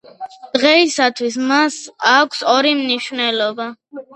დღეისათვის მას აქვს ორი მნიშვნელობა.